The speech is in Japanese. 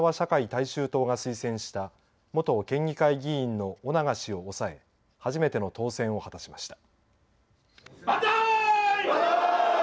大衆党が推薦した元県議会議員の翁長氏を抑え初めての当選を果たしました。